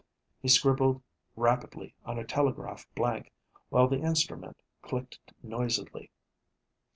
He scribbled rapidly on a telegraph blank while the instrument clicked noisily.